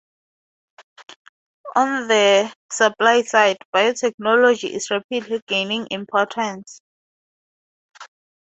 On the "supply side", biotechnology is rapidly gaining importance.